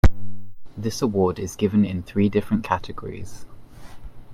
This award is given in three different categories.